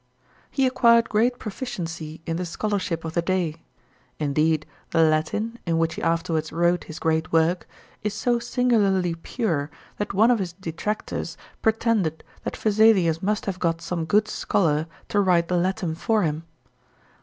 He acquired great proficiency in the scholarship of the day. Indeed the Latin, in which he afterwards wrote his great work, is so singularly pure that one of his detractors pretended that Vesalius must have got some good scholar to write the Latin for him.